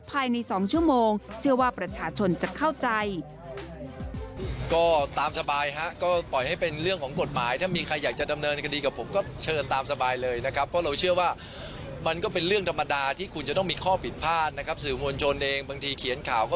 ภายใน๒ชั่วโมงเชื่อว่าประชาชนจะเข้าใจ